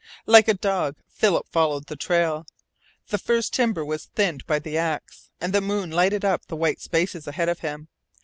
Like a dog Philip followed the trail. The first timber was thinned by the axe, and the moon lighted up the white spaces ahead of him.